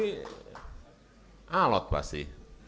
pindah ini alat pasti